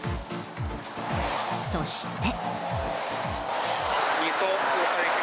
そして。